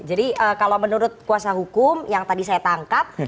jadi kalau menurut kuasa hukum yang tadi saya tangkap